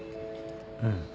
うん。